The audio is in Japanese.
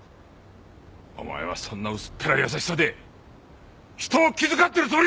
お前はそんな薄っぺらい優しさで人を気遣ってるつもりか！